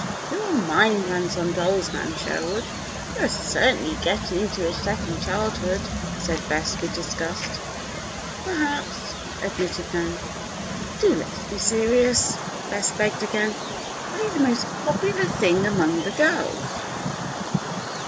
your mind runs on dolls, Nan Sherwood. You are certainly getting into your second childhood," said Bess, with disgust. "Perhaps," admitted Nan. "Do let's be serious," Bess begged again. "What is the most popular thing among the girls?"